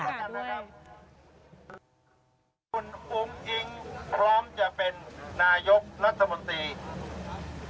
คุณอุ้งอิ๊งพร้อมจะเป็นนายกรัฐมนตรี